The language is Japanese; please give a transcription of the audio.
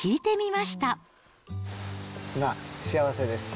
今、幸せです。